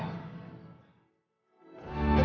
tetap bersama ku sayang